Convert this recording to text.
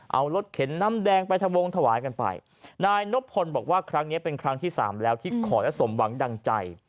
เอารถเข็นน้ำแดงไปทะวงถวายกันไปนายนบพลบอกว่าครั้งนี้เป็นครั้งที่สามแล้วที่ขอและสมหวังดังใจ